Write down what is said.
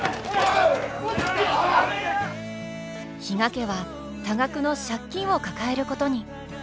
比嘉家は多額の借金を抱えることに。